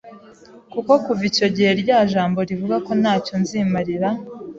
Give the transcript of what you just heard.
kuko kuva icyo gihe rya jambo rivuga ko nta cyo nzimarira